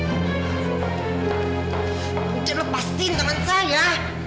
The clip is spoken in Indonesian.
udah lepasin teman saya